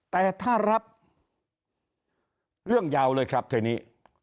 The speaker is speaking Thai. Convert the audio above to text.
แต่ถ้ารับเรื่องยาวเลยครับทีนี้